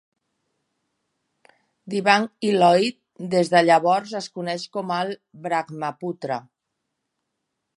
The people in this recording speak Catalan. "Dibang" i "Lohit"; des de llavors, es coneix com el "Brahmaputra".